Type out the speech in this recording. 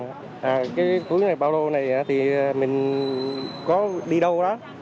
cái túi này bao lô này thì mình có đi đâu đó